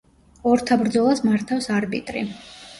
ორთაბრძოლას მართავს არბიტრი.